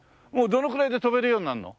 どのくらいで飛べるようになるの？